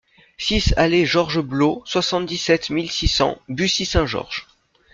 six allée Georges Blot, soixante-dix-sept mille six cents Bussy-Saint-Georges